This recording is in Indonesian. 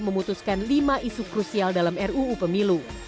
memutuskan lima isu krusial dalam ruu pemilu